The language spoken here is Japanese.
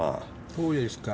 そうですか。